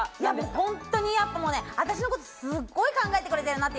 本当に私のことをすごく考えてくれてるなって。